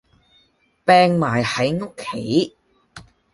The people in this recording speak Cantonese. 柄埋喺屋企